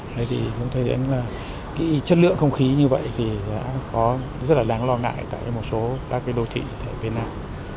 thế thì chúng tôi thấy rằng là cái chất lượng không khí như vậy thì đã có rất là đáng lo ngại tại một số các cái đô thị tại việt nam